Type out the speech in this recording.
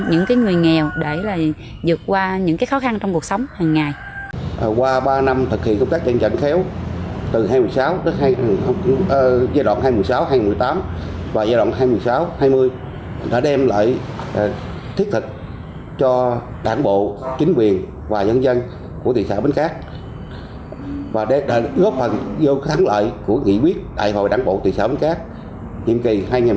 những người nghèo để dược qua những khó khăn trong cuộc sống hằng ngày